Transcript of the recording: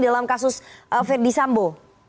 dalam kasus ferdis sambo